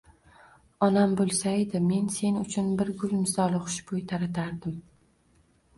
— Onam bo'lsaydi, men sen uchun bir gul misoli xushbo'y taratardim.